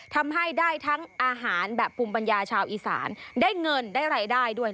ทำให้ได้ทั้งอาหารแบบภูมิปัญญาชาวอีสานได้เงินได้รายได้ด้วย